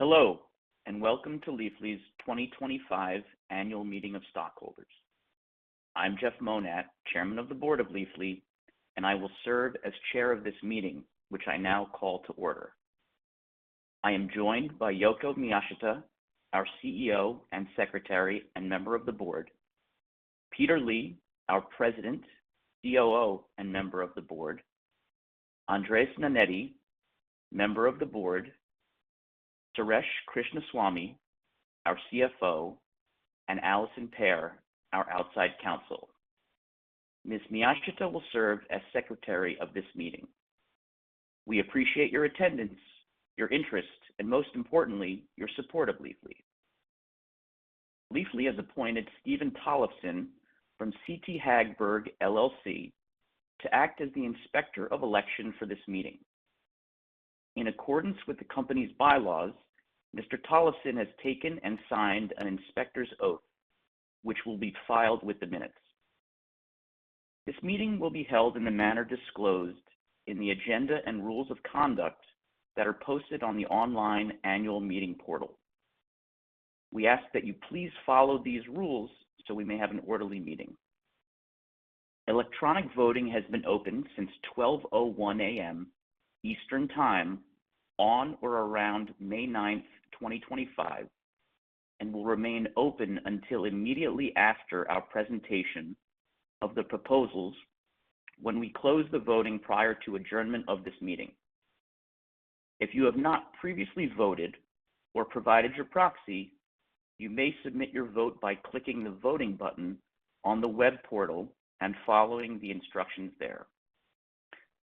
Hello, and welcome to Leafly's 2025 Annual Meeting of Stockholders. I'm Jeff Monat, Chairman of the Board of Leafly, and I will serve as Chair of this meeting, which I now call to order. I am joined by Yoko Miyashita, our CEO and Secretary and Member of the Board; Peter Lee, our President, COO and Member of the Board; Andres Nennetti, Member of the Board; Suresh Krishnaswamy, our CFO; and Alison Pear, our Outside Counsel. Ms. Miyashita will serve as Secretary of this meeting. We appreciate your attendance, your interest, and most importantly, your support of Leafly. Leafly has appointed Steven Tolleson from CT Hagberg, LLC, to act as the Inspector of Election for this meeting. In accordance with the company's bylaws, Mr. Tolleson has taken and signed an inspector's oath, which will be filed with the minutes. This meeting will be held in the manner disclosed in the agenda and rules of conduct that are posted on the online annual meeting portal. We ask that you please follow these rules so we may have an orderly meeting. Electronic voting has been open since 12:01 A.M. Eastern Time on or around May 9th, 2025, and will remain open until immediately after our presentation of the proposals when we close the voting prior to adjournment of this meeting. If you have not previously voted or provided your proxy, you may submit your vote by clicking the voting button on the web portal and following the instructions there.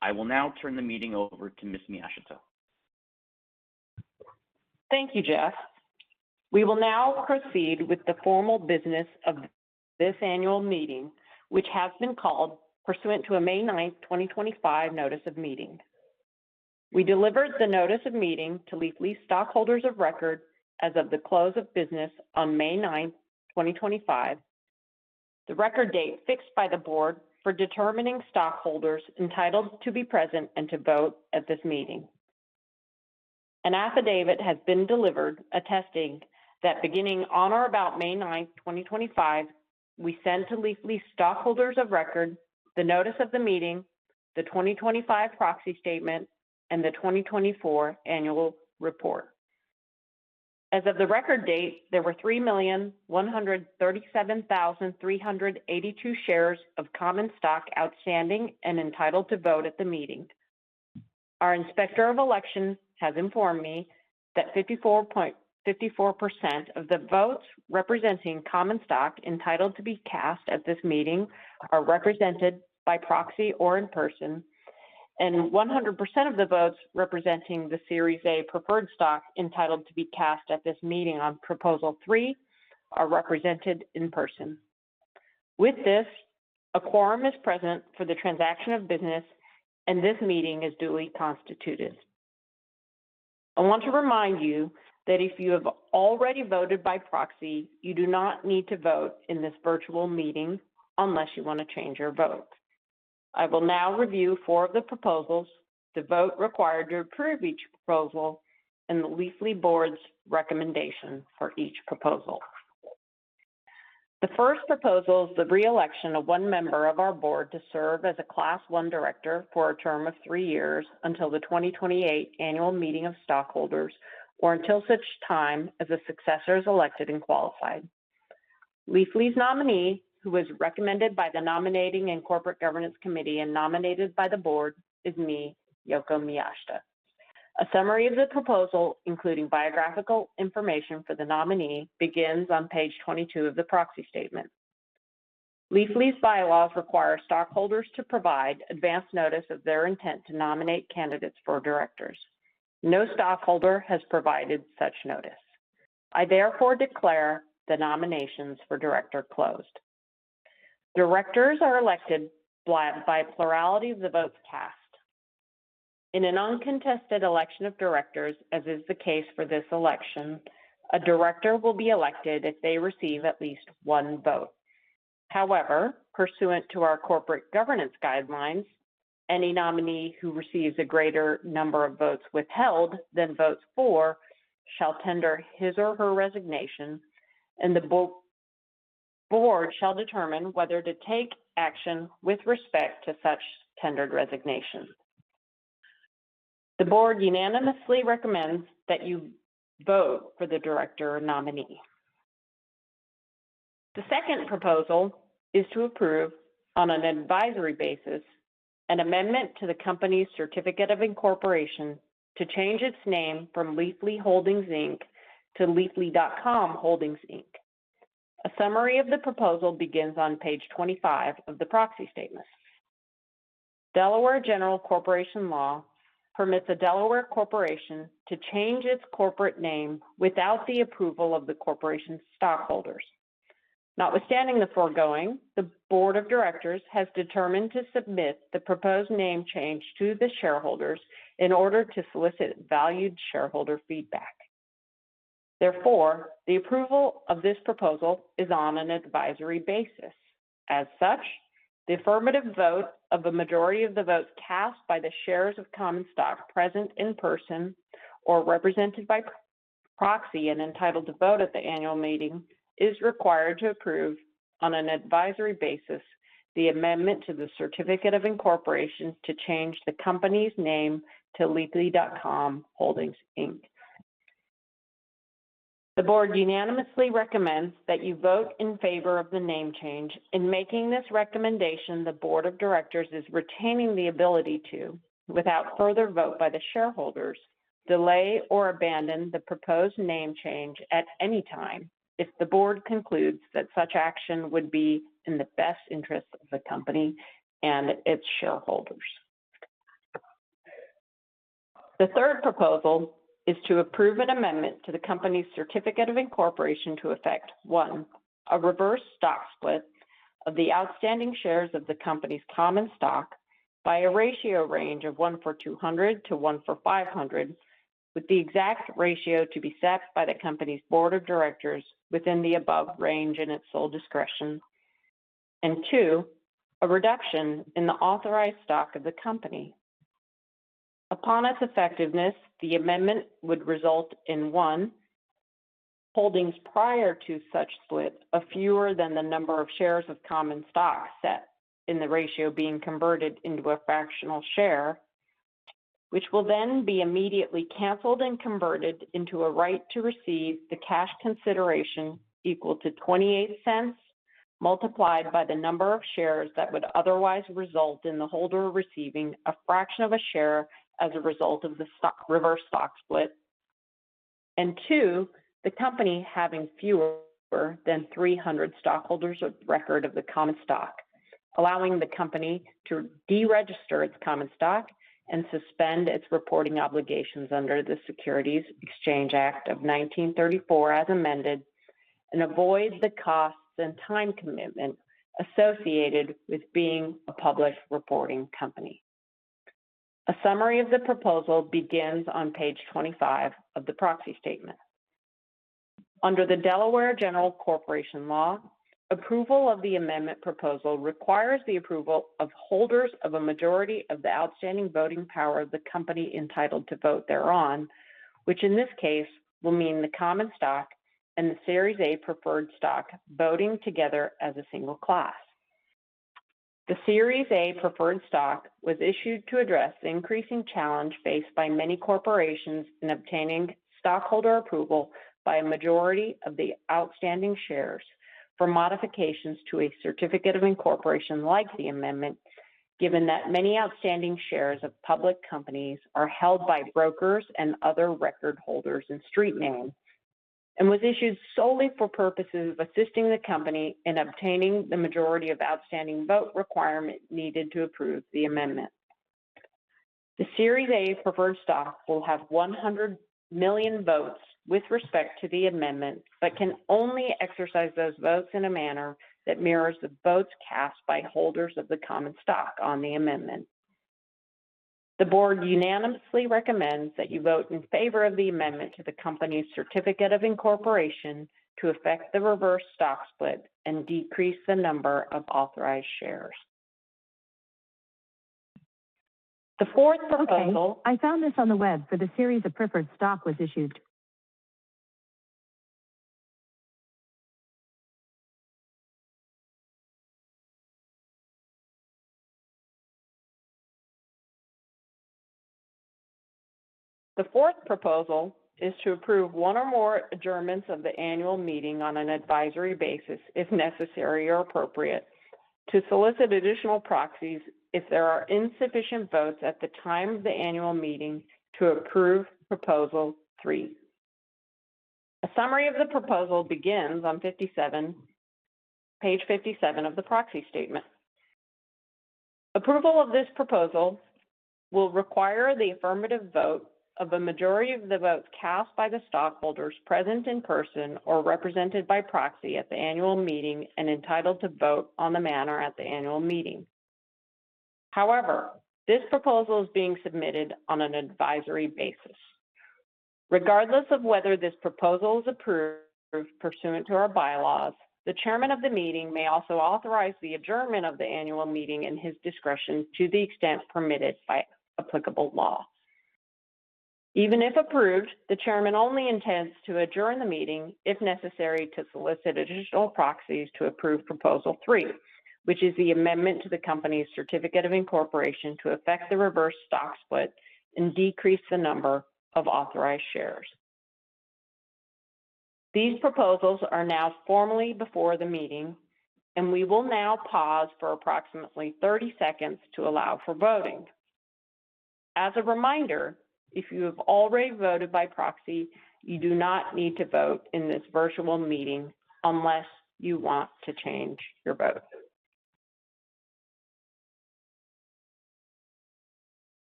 I will now turn the meeting over to Ms. Miyashita. Thank you, Jeff. We will now proceed with the formal business of this annual meeting, which has been called pursuant to a May 9, 2025, Notice of Meeting. We delivered the Notice of Meeting to Leafly's stockholders of record as of the close of business on May 9, 2025, the record date fixed by the Board for determining stockholders entitled to be present and to vote at this meeting. An affidavit has been delivered attesting that beginning on or about May 9, 2025, we sent to Leafly's stockholders of record the Notice of the Meeting, the 2025 Proxy Statement, and the 2024 Annual Report. As of the record date, there were 3,137,382 shares of common stock outstanding and entitled to vote at the meeting. Our Inspector of Election has informed me that 54% of the votes representing common stock entitled to be cast at this meeting are represented by proxy or in person, and 100% of the votes representing the Series A preferred stock entitled to be cast at this meeting on Proposal 3 are represented in person. With this, a quorum is present for the transaction of business, and this meeting is duly constituted. I want to remind you that if you have already voted by proxy, you do not need to vote in this virtual meeting unless you want to change your vote. I will now review four of the proposals, the vote required to approve each proposal, and the Leafly Board's recommendation for each proposal. The first proposal is the re-election of one member of our Board to serve as a Class 1 Director for a term of three years until the 2028 Annual Meeting of Stockholders or until such time as a successor is elected and qualified. Leafly's nominee, who is recommended by the Nominating and Corporate Governance Committee and nominated by the Board, is me, Yoko Miyashita. A summary of the proposal, including biographical information for the nominee, begins on page 22 of the Proxy Statement. Leafly's bylaws require stockholders to provide advance notice of their intent to nominate candidates for directors. No stockholder has provided such notice. I therefore declare the nominations for Director closed. Directors are elected by plurality of the votes cast. In an uncontested election of directors, as is the case for this election, a director will be elected if they receive at least one vote. However, pursuant to our Corporate Governance Guidelines, any nominee who receives a greater number of votes withheld than votes for shall tender his or her resignation, and the Board shall determine whether to take action with respect to such tendered resignation. The Board unanimously recommends that you vote for the director nominee. The second proposal is to approve, on an advisory basis, an amendment to the company's Certificate of Incorporation to change its name from Leafly Holdings Inc., to Leafly.com Holdings Inc., a summary of the proposal begins on page 25 of the Proxy Statement. Delaware General Corporation Law permits a Delaware corporation to change its corporate name without the approval of the corporation's stockholders. Notwithstanding the foregoing, the Board of Directors has determined to submit the proposed name change to the shareholders in order to solicit valued shareholder feedback. Therefore, the approval of this proposal is on an advisory basis. As such, the affirmative vote of a majority of the votes cast by the shares of common stock present in person or represented by proxy and entitled to vote at the annual meeting is required to approve, on an advisory basis, the amendment to the certificate of incorporation to change the company's name to Leafly.com Holdings, Inc., The Board unanimously recommends that you vote in favor of the name change. In making this recommendation, the Board of Directors is retaining the ability to, without further vote by the shareholders, delay or abandon the proposed name change at any time if the Board concludes that such action would be in the best interest of the company and its shareholders. The third proposal is to approve an amendment to the company's certificate of incorporation to effect, one, a reverse stock split of the outstanding shares of the company's common stock by a ratio range of one-for-200 to one-for-500, with the exact ratio to be set by the company's Board of Directors within the above range in its sole discretion, and, two, a reduction in the authorized stock of the company. Upon its effectiveness, the amendment would result in one, holdings prior to such split of fewer than the number of shares of common stock set in the ratio being converted into a fractional share, which will then be immediately canceled and converted into a right to receive the cash consideration equal to $0.28 multiplied by the number of shares that would otherwise result in the holder receiving a fraction of a share as a result of the reverse stock split, and two, the company having fewer than 300 stockholders of record of the common stock, allowing the company to deregister its common stock and suspend its reporting obligations under the Securities Exchange Act of 1934 as amended, and avoid the costs and time commitment associated with being a public reporting company. A summary of the proposal begins on page 25 of the Proxy Statement. Under the Delaware General Corporation Law, approval of the amendment proposal requires the approval of holders of a majority of the outstanding voting power of the company entitled to vote thereon, which in this case will mean the common stock and the Series A preferred stock voting together as a single class. The Series A preferred stock was issued to address the increasing challenge faced by many corporations in obtaining stockholder approval by a majority of the outstanding shares for modifications to a certificate of incorporation like the amendment, given that many outstanding shares of public companies are held by brokers and other record holders in street name, and was issued solely for purposes of assisting the company in obtaining the majority of outstanding vote requirement needed to approve the amendment. The Series A preferred stock will have 100 million votes with respect to the amendment but can only exercise those votes in a manner that mirrors the votes cast by holders of the common stock on the amendment. The Board unanimously recommends that you vote in favor of the amendment to the company's certificate of incorporation to effect the reverse stock split and decrease the number of authorized shares. The fourth proposal. I found this on the web for the Series A preferred stock was issued. The fourth proposal is to approve one or more adjournments of the annual meeting on an advisory basis if necessary or appropriate, to solicit additional proxies if there are insufficient votes at the time of the annual meeting to approve proposal three. A summary of the proposal begins on page 57 of the Proxy Statement. Approval of this proposal will require the affirmative vote of a majority of the votes cast by the stockholders present in person or represented by proxy at the annual meeting and entitled to vote on the matter at the annual meeting. However, this proposal is being submitted on an advisory basis. Regardless of whether this proposal is approved pursuant to our bylaws, the Chairman of the Meeting may also authorize the adjournment of the annual meeting in his discretion to the extent permitted by applicable law. Even if approved, the Chairman only intends to adjourn the meeting if necessary to solicit additional proxies to approve proposal three, which is the amendment to the company's certificate of incorporation to effect the reverse stock split and decrease the number of authorized shares. These proposals are now formally before the meeting, and we will now pause for approximately 30 seconds to allow for voting. As a reminder, if you have already voted by proxy, you do not need to vote in this virtual meeting unless you want to change your vote.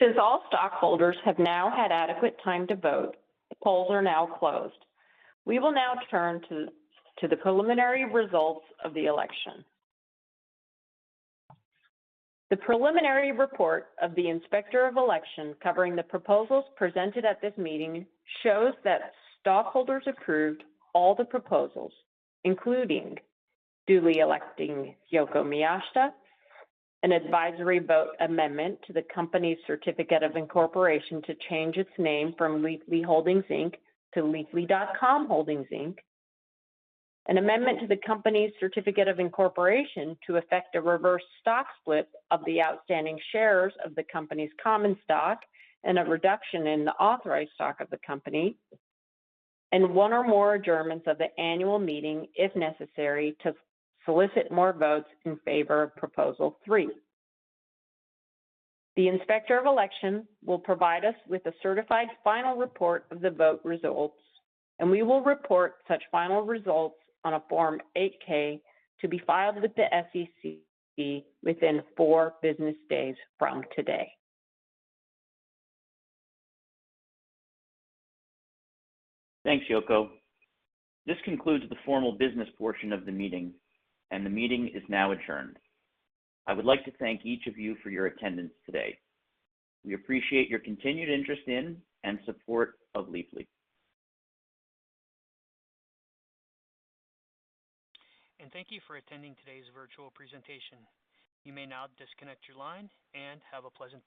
Since all stockholders have now had adequate time to vote, the polls are now closed. We will now turn to the preliminary results of the election. The preliminary report of the Inspector of Election covering the proposals presented at this meeting shows that stockholders approved all the proposals, including duly electing Yoko Miyashita, an advisory vote amendment to the company's certificate of incorporation to change its name from Leafly Holdings Inc., to Leafly.com Holdings Inc., an amendment to the company's certificate of incorporation to effect a reverse stock split of the outstanding shares of the company's common stock and a reduction in the authorized stock of the company, and one or more adjournments of the annual meeting if necessary to solicit more votes in favor of proposal three. The Inspector of Election will provide us with a certified final report of the vote results, and we will report such final results on a Form 8-K to be filed with the SEC within four business days from today. Thanks, Yoko. This concludes the formal business portion of the meeting, and the meeting is now adjourned. I would like to thank each of you for your attendance today. We appreciate your continued interest in and support of Leafly. Thank you for attending today's virtual presentation. You may now disconnect your line and have a pleasant day.